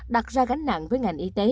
đặt ra gánh nặng với ngày nay